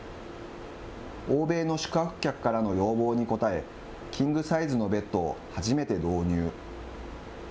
欧米の宿泊客からの要望に応え、キングサイズのベッドを初めて導入。